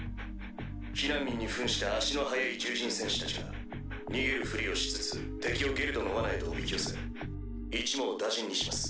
避難民に扮した足の速い獣人戦士たちが逃げるふりをしつつ敵をゲルドの罠へとおびき寄せ一網打尽にします。